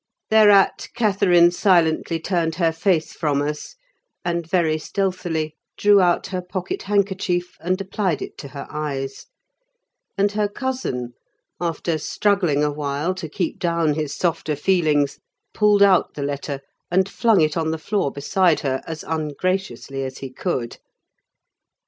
Thereat, Catherine silently turned her face from us, and, very stealthily, drew out her pocket handkerchief and applied it to her eyes; and her cousin, after struggling awhile to keep down his softer feelings, pulled out the letter and flung it on the floor beside her, as ungraciously as he could.